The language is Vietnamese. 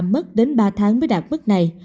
mất đến ba tháng mới đạt mức này